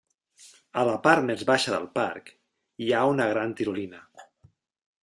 A la part més baixa del parc hi ha una gran tirolina.